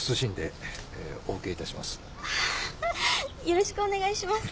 よろしくお願いします。